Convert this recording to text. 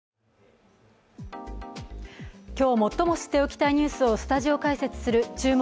今日、最も知っておきたいニュースをスタジオ解説する「注目！